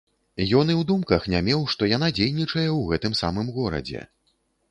Ён і ў думках не меў, што яна дзейнічае ў гэтым самым горадзе.